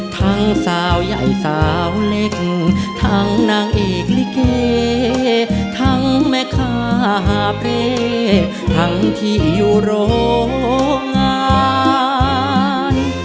ทั้งสาวใหญ่สาวเล็กทั้งนางเอกลิเกทั้งแม่ค้าหาบเร่ทั้งที่อยู่โรงงาน